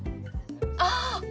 ああ！